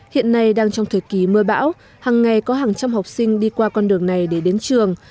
hiện nay đang trong thời kỳ mưa bão hàng ngày có hàng trăm học sinh đi qua con đường này để đến trường